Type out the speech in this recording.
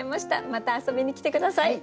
また遊びに来て下さい。